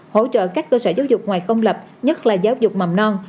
hỗ trợ các cơ sở giáo dục ngoài công lập nhất là giáo dục mầm non